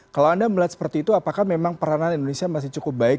kalau anda melihat seperti itu apakah memang peranan indonesia masih cukup baik